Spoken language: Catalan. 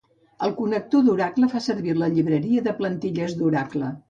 El connector d'Oracle fa servir la llibreria de plantilles d'Oracle.